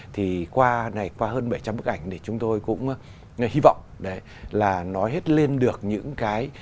thì qua này qua hơn bảy trăm linh bức ảnh thì chúng tôi cũng hy vọng là nói hết lên được những cái